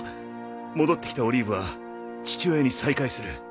戻って来たオリーブは父親に再会する。